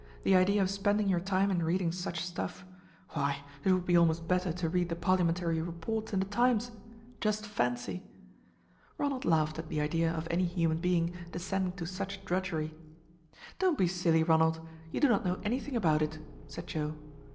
The idea of spending your time in reading such stuff. Why, it would be almost better to read the parliamentary reports in the 'Times!' Just fancy!" Ronald laughed at the idea of any human being descending to such drudgery. "Don't be silly, Ronald. You do not know anything about it," said Joe.